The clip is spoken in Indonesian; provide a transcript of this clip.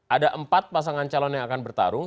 ada empat pasangan calon yang akan bertarung